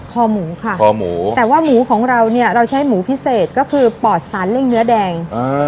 คอหมูค่ะคอหมูแต่ว่าหมูของเราเนี่ยเราใช้หมูพิเศษก็คือปอดสารเร่งเนื้อแดง